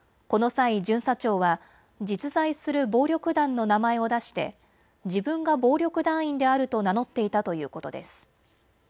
この際、巡査長は実在する暴力団の名前を出して自分が暴力団員であると名乗っていたということです。